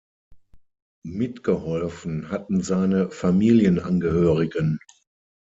Mitgeholfen hatten seine Familienangehörigen.